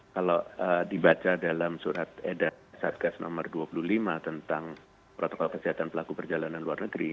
kalau dibaca dalam surat edar satgas nomor dua puluh lima tentang protokol kesehatan pelaku perjalanan luar negeri